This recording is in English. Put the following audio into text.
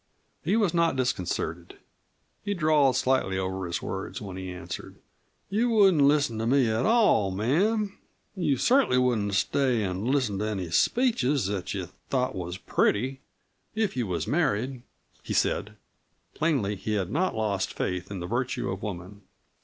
He was not disconcerted. He drawled slightly over his words when he answered. "You wouldn't listen at me at all, ma'am; you cert'nly wouldn't stay an' listen to any speeches that you thought was pretty, if you was married," he said. Plainly, he had not lost faith in the virtue of woman.